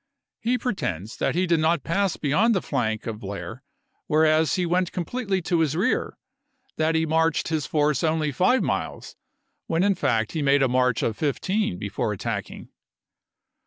He pretends that he did not pass beyond the flank 272 ABEAHAM LINCOLN chap. xii. of Blair, whereas he went completely to his rear ; that he marched his force only five miles, when in fact he made a march of fifteen before attacking.